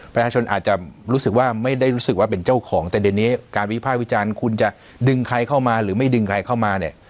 ประชาชนอาจจะรู้สึกว่าไม่ได้รู้สึกว่าเป็นเจ้าของแต่เดี๋ยวนี้การวิภาควิจารณ์คุณจะดึงใครเข้ามาหรือไม่ดึงใครเข้ามาเนี่ย